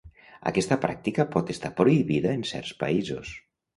Aquesta pràctica pot estar prohibida en certs països.